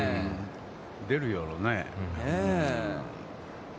出るやろね。